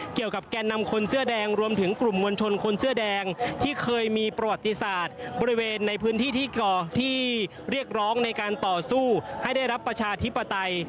แก่นำคนเสื้อแดงรวมถึงกลุ่มมวลชนคนเสื้อแดงที่เคยมีประวัติศาสตร์บริเวณในพื้นที่ที่ก่อที่เรียกร้องในการต่อสู้ให้ได้รับประชาธิปไตย